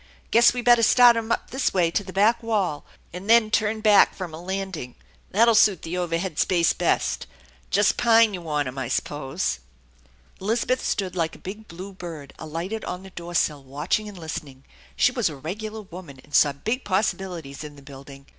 " Guess we better start 'em up this way to the back wall and then turn back from a landing. That'll suit the overhead space best. Just pine, you want 'em, I s'pose?" Elizabeth stood like a big blue bird alighted on the door sill, watching and listening. She was a regular woman, and saw big possibilities in the building.